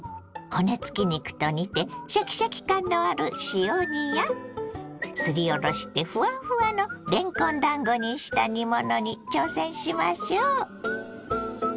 骨付き肉と煮てシャキシャキ感のある塩煮やすりおろしてフワフワのれんこんだんごにした煮物に挑戦しましょう。